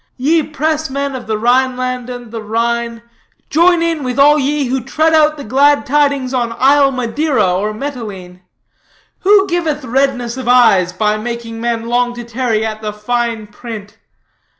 Ye pressmen of the Rhineland and the Rhine, join in with all ye who tread out the glad tidings on isle Madeira or Mitylene. Who giveth redness of eyes by making men long to tarry at the fine print?